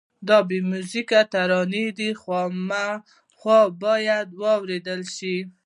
دا بې میوزیکه ترانې دي او خامخا باید واورېدل شي.